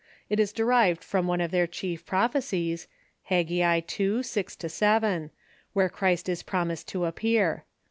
It is derived from one of their chief prophecies (Haggai ii., 6, 7), where Christ is promised to appear.